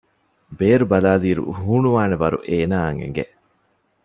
ބޭރު ބަލާލިއިރު ހޫނުވާނެ ވަރު އޭނާއަށް އެނގެ